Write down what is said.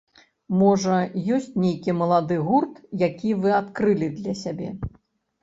Можа ёсць нейкі малады гурт, які вы адкрылі для сябе?